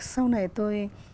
sau này tôi